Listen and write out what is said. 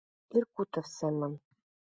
Иркутов семын